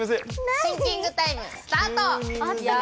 シンキングタイムスタート！